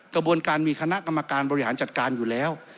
กระบวนการมีคณะกรรมการบริหารจัดการอยู่แล้ว